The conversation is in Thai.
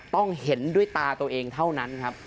ต้องเห็นด้วยตาตัวเองเท่านั้นครับ